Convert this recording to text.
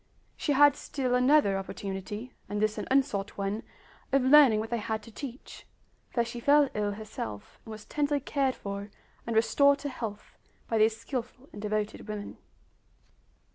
She had still another opportunity, and this an unsought one, of learning what they had to teach, for she fell ill herself, and was tenderly cared for and restored to health by these skillful and devoted women.